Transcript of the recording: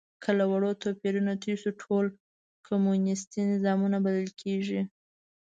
که له وړو توپیرونو تېر شو، ټول کمونیستي نظامونه بلل کېږي.